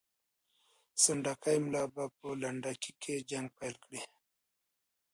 سنډکي ملا به په لنډکي کې جنګ پیل کړي.